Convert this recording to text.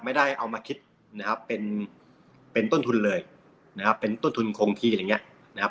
ไม่ได้เอามาคิดนะครับเป็นต้นทุนเลยนะครับเป็นต้นทุนคงทีอะไรอย่างนี้นะครับ